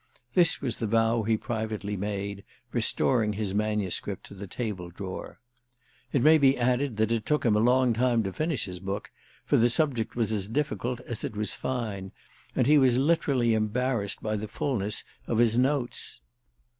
This was the vow he privately made, restoring his manuscript to the table drawer. It may be added that it took him a long time to finish his book, for the subject was as difficult as it was fine, and he was literally embarrassed by the fulness of his notes.